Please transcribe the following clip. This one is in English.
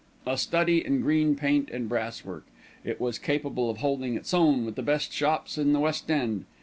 A study in green paint and brass work, it was capable of holding its own with the best shops in the West End.